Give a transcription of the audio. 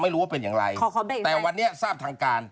ไม่รู้ว่าเป็นอย่างไรแต่วันนี้ทราบทางการ